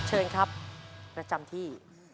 เชิญครับประจำที่